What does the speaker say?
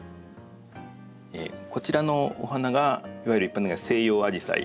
こちらのお花がいわゆる一般的には西洋アジサイ。